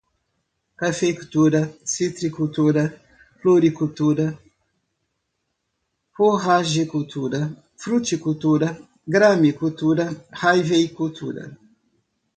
cafeicultura, citricultura, floricultura, forragicultura, fruticultura, gramicultura, haveicultura